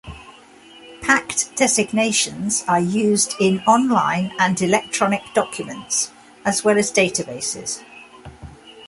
Packed designations are used in online and electronic documents as well as databases.